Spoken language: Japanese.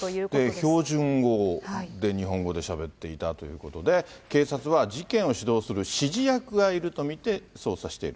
標準語で、日本語でしゃべっていたということで、警察は事件を主導する指示役がいると見て捜査している。